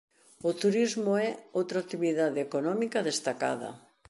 O turismo é outra actividade económica destacada.